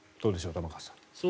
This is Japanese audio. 玉川さん。